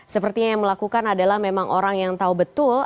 sepertinya yang melakukan adalah memang orang yang tahu betul